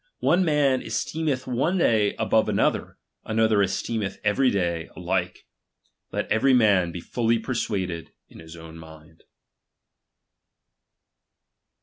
One man esteemeth one day above another, another esteemeth every day alike. Let every man he fully persuaded in his ovm mind.